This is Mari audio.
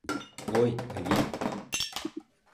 Ой, авий!..